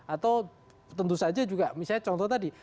atau tentu saja juga misalnya contoh tadi